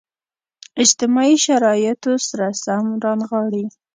اجتماعي شرایطو سره سم رانغاړي.